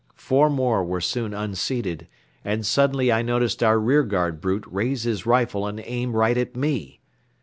Four more were soon unseated and suddenly I noticed our rearguard brute raise his rifle and aim right at me.